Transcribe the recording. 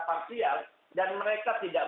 parsial dan mereka tidak